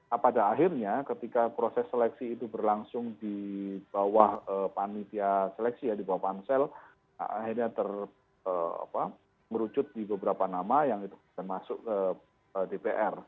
nah pada akhirnya ketika proses seleksi itu berlangsung di bawah panitia seleksi ya di bawah pansel akhirnya terucut di beberapa nama yang masuk ke dpr